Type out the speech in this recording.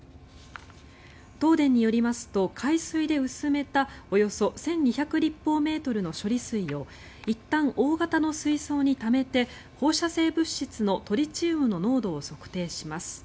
東電によりますと海水で薄めたおよそ１２００立方メートルの処理水をいったん大型の水槽にためて放射性物質のトリチウムの濃度を測定します。